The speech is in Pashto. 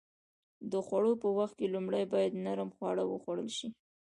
د خوړو په وخت کې لومړی باید نرم خواړه وخوړل شي.